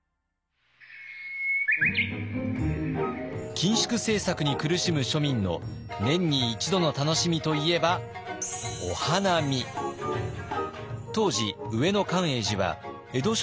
緊縮政策に苦しむ庶民の年に一度の楽しみといえば当時上野寛永寺は江戸庶民が集まる桜の名所でした。